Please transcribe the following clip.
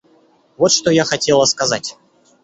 Вот что я хотела сказать.